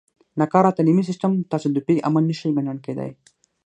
ناکاره تعلیمي سیستم تصادفي عمل نه شي ګڼل کېدای.